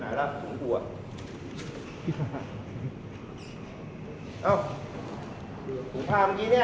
ผมพาเมื่อกี้เนี่ยครับอ๋อโอเคนี่นี่แม่งแม่งคอยเหยียบ